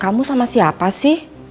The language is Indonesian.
kamu sama siapa sih